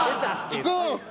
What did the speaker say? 行こう！